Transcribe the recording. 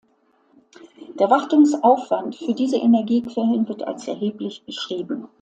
Der Wartungsaufwand für diese Energiequellen wird als erheblich beschrieben.